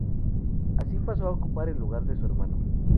Así pasó a ocupar el lugar de su hermano.